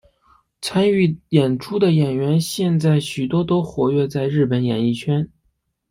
参与演出的演员现在许多都活跃于日本演艺圈。